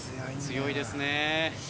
強いですね。